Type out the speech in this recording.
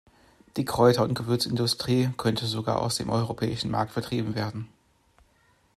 Die Kräuterund Gewürzindustrie könnte sogar aus dem europäischen Markt vertrieben werden.